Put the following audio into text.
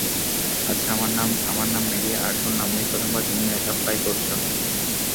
আচ্ছা, আমার নাম মেরি, আর শুনলাম এই প্রথমবার তুমি একা ফ্লাই করছ।